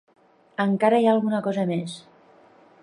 Encara hi ha alguna cosa més.